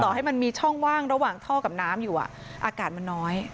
ให้มันมีช่องว่างระหว่างท่อกับน้ำอยู่อากาศมันน้อย